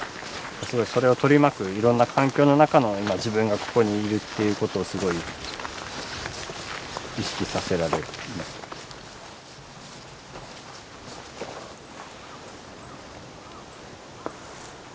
すごいそれを取り巻くいろんな環境の中の今自分がここにいるっていうことをすごい意識させられますね。